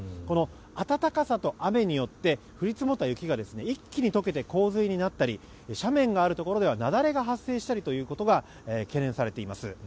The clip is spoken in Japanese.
暖かさと雨によって降り積もった雪が一気に解けて洪水になったり斜面があるところでは雪崩が発生したりということが懸念されています。